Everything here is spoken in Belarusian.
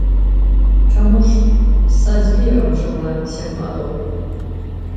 Чаму ж са зверам жыла сем гадоў?